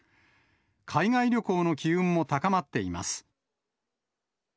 海外旅行の機運も高まっています。